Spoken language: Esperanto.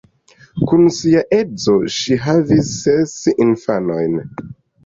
Kun sia edzo ŝi havis ses infanojn.